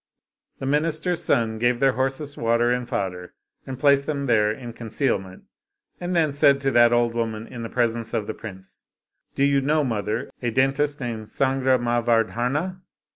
The minister's son gave their horses water and fodder, and placed them there in conceal ment, and then said to that old woman in the presence of the prince, " Do you know, mother, a dentist named Sangra mavardhana